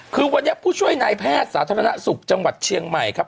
คือวันนี้ผู้ช่วยนายแพทย์สาธารณสุขจังหวัดเชียงใหม่ครับ